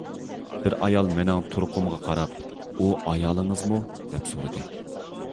بىر ئايال مېنىڭ تۇرقۇمغا قاراپ« ئۇ ئايالىڭىزمۇ؟» دەپ سورىدى.